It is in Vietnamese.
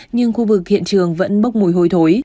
nhưng khu vực hiện trường vẫn bốc mùi hôi thối